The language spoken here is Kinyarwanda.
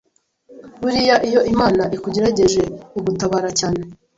Buriya iyo Imana ikugerageje igutabara cyane.